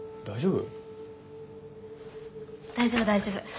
大丈夫大丈夫。